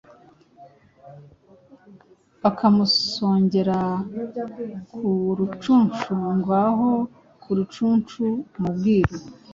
Bakamusongera ku Rucunshu ngaho ku Rucunshu mu Bwiru !